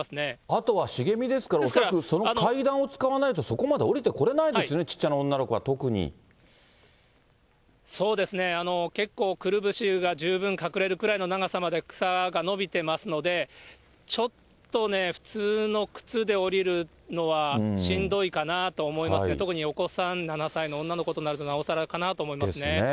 あとは茂みですから、恐らくその階段を使わないと、そこまで下りてこれないですね、そうですね、結構くるぶしが十分隠れるぐらいの長さまで草が伸びてますので、ちょっとね、普通の靴で下りるのは、しんどいかなと思いますね、特にお子さん、７歳の女の子となるとなおさらかなと思いますね。